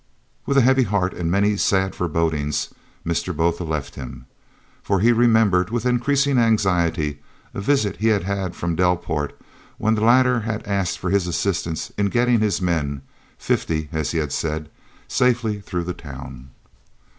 With a heavy heart and many sad forebodings, Mr. Botha left him. For he remembered, with increasing anxiety, a visit he had had from Delport, when the latter had asked for his assistance in getting his men fifty, as he had said safely through the town.